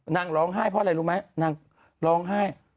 นางร้องไห้เพราะอะไรรู้ไหมนางร้องไห้